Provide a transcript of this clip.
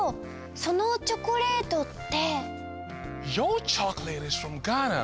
そのチョコレートって。